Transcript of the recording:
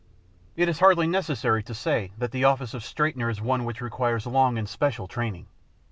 It is hardly necessary to say that the office of straightener is one which requires long and special training.